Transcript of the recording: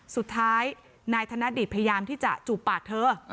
สุดท้ายนายธนดิตพยายามที่จะจูบปากเธอ